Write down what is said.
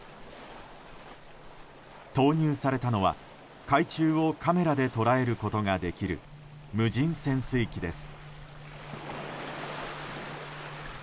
投入されたのは海中をカメラで捉えることができる無人潜水機です。